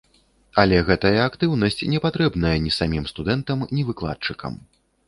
Але гэтая актыўнасць не патрэбная ні самім студэнтам, ні выкладчыкам.